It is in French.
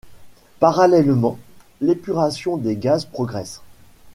Parallèlement, l'épuration des gaz progresse.